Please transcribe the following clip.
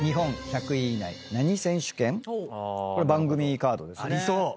これ番組カードですね。